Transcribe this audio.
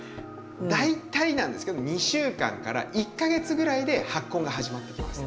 大体なんですけど２週間から１か月ぐらいで発根が始まってきます。